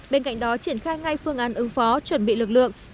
bên cạnh đó triển khai ngay phương án ứng phó chuẩn bị lực lượng